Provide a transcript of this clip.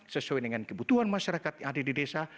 sesuai dengan kebutuhan masyarakat yang ada di desa